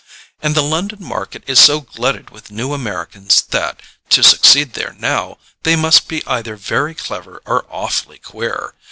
And the London market is so glutted with new Americans that, to succeed there now, they must be either very clever or awfully queer.